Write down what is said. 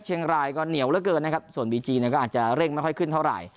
เชียงรายก็เหนียวเหลือเกินนะครับส่วนบีจีเนี่ยก็อาจจะเร่งไม่ค่อยขึ้นเท่าไหร่